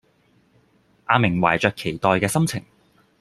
阿明懷著期待嘅心情